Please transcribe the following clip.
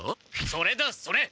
それだそれ！